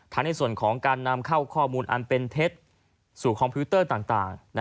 ในส่วนของการนำเข้าข้อมูลอันเป็นเท็จสู่คอมพิวเตอร์ต่าง